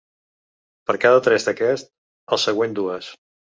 Per cada tres d’aquest, el següent dues.